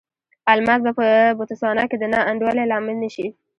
الماس به په بوتسوانا کې د نا انډولۍ لامل نه شي.